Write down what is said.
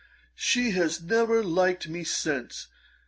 She has never liked me since.